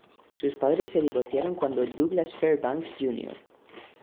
Sus padres se divorciaron cuando Douglas Fairbanks, Jr.